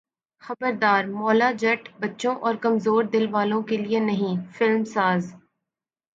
خبردار مولا جٹ بچوں اور کمزور دل والوں کے لیے نہیں فلم ساز